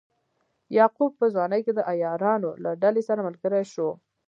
یعقوب په ځوانۍ کې د عیارانو له ډلې سره ملګری شو.